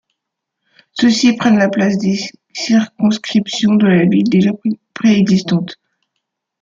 Ceux-ci prennent la place des circonscriptions de la ville déjà préexistantes.